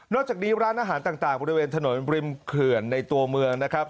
จากนี้ร้านอาหารต่างบริเวณถนนริมเขื่อนในตัวเมืองนะครับ